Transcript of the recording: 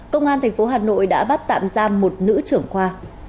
công an tp hà nội đã bắt tạm giam một nữ trưởng khoa